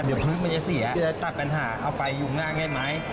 เดี๋ยวพื้นมันจะเสียจะตัดปัญหาเอาไฟยุงหน้าง่ายไหม